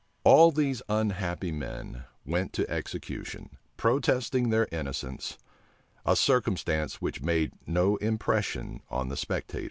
All these unhappy men went to execution, protesting their innocence; a circumstance which made no impression on the spectators.